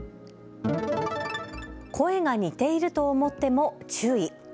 声が似ていると思っても注意。